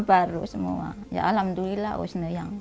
baru semua ya alhamdulillah usna yang